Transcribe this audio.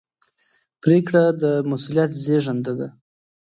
پرېکړه د مسؤلیت زېږنده ده.